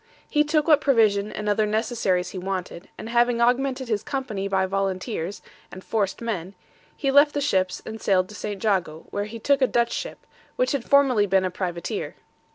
He took what provision and other necessaries he wanted, and having augmented his company by volunteers and forced men, he left the ships and sailed to St. Jago, where he took a Dutch ship, which had formerly been a privateer.